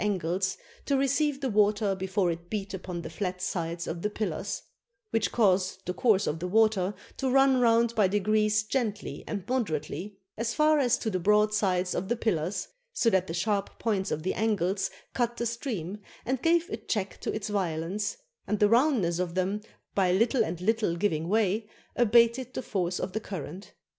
490 HOW SEMIRAMIS BUILT BABYLON angles, to receive the water before it beat upon the flat sides of the pillars; which caused the course of the water to run round by degrees gently and moderately, as far as to the broad sides of the pillars, so that the sharp points of the angles cut the stream, and gave a check to its violence, and the roundness of them by little and little giving way abated the force of the current.